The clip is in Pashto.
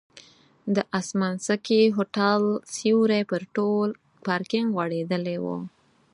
د اسمانځکي هوټل سیوری پر ټول پارکینک غوړېدلی و.